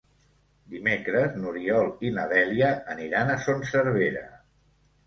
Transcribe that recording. Dimecres n'Oriol i na Dèlia aniran a Son Servera.